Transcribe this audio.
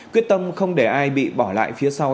quyết tâm không để ai bị bỏ lại phía sau